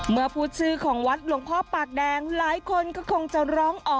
เมื่อพูดชื่อของวัดหลวงพ่อปากแดงหลายคนก็คงจะร้องอ๋อ